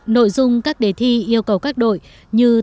nội dung các đề thi yêu cầu các đội như